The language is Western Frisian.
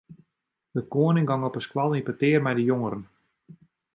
De koaning gong op de skoalle yn petear mei de jongeren.